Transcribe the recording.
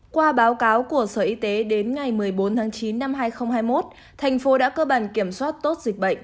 qua báo cáo của sở y tế đến ngày một mươi bốn tháng chín năm hai nghìn hai mươi một thành phố đã cơ bản kiểm soát tốt dịch bệnh